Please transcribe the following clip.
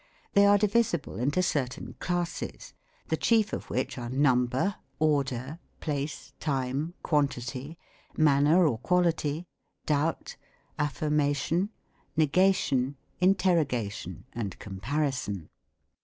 They are divisible into cer ' lain classes ; the chief of which are Number, Order, Place, Time, Quantity, Manner or Quality, Doubt, Affirmation, Negation, Interrogation, and Comparison.